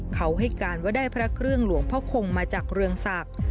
เขาให้การว่าได้พระเครื่องหลวงพ่อคงมาจากเรืองศักดิ์